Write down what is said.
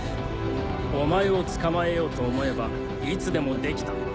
お前を捕まえようと思えばいつでもできた。